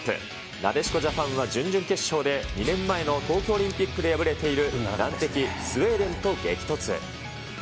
なでしこジャパンは準々決勝で２年前の東京オリンピックで敗れている難敵、スウェーデンと激突。